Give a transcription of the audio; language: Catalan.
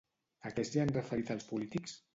A què s'hi han referit els polítics?